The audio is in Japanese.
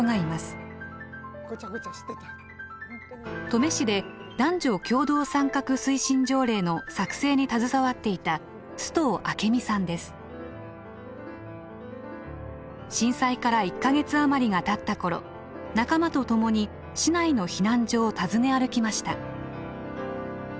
登米市で男女共同参画推進条例の作成に携わっていた震災から１か月余りがたった頃仲間と共に市内の避難所を訪ね歩きました。